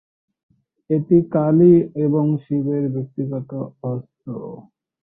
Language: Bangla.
এটি কালী এবং শিবের ব্যক্তিগত অস্ত্র।